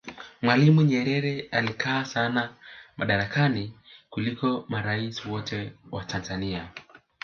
mwalimu nyerere aliyekaa sana madarakani kuliko maraisi wote wa tanzania